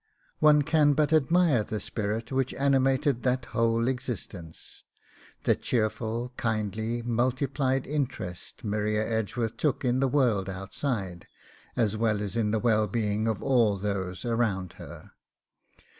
One can but admire the spirit which animated that whole existence; the cheerful, kindly, multiplied interest Maria Edgeworth took in the world outside, as well as in the wellbeing of all those around her.